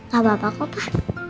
gak apa apa kok pak